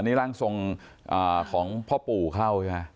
นี่ร่างทรงของพ่อปู่เข้าใช่ไหม